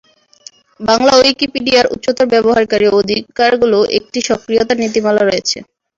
বাংলা উইকিপিডিয়ায় উচ্চতর ব্যবহারকারী অধিকারগুলোর একটি সক্রিয়তার নীতিমালা রয়েছে।